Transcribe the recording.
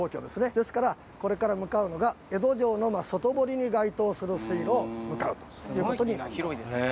ですからこれから向かうのが江戸城の外堀に該当する水路に向かうということになります。